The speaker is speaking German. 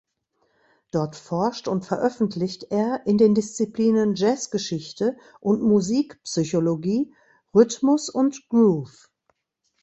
Dort forscht und veröffentlicht er in den Disziplinen Jazzgeschichte und Musikpsychologie (Rhythmus und Groove).